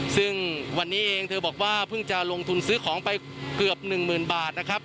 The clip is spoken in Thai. ซึ่งวันนี้เองเธอบอกว่าเพิ่งจะลงทุนซื้อของไปเกือบ๑๐๐๐บาทนะครับ